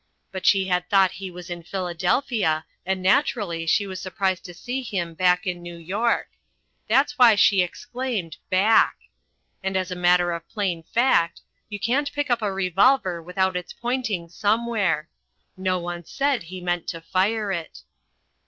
But she had thought he was in Philadelphia, and naturally she was surprised to see him back in New York. That's why she exclaimed "Back!" And as a matter of plain fact, you can't pick up a revolver without its pointing somewhere. No one said he meant to fire it.